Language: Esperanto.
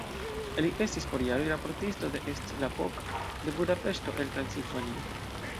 Li estis por jaroj raportisto de "Est Lapok" de Budapeŝto el Transilvanio.